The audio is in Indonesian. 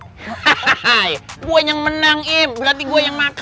hahaha gue yang menang im berarti gue yang makan